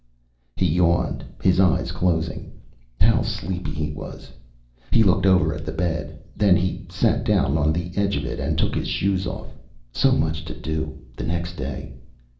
He yawned, his eyes closing. How sleepy he was! He looked over at the bed. Then he sat down on the edge of it and took his shoes off. So much to do, the next day.